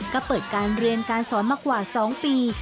ก็เปิดการเรียนการสอนมากว่า๒ปี